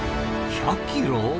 １００キロ？